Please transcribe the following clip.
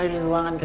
lihat apa itu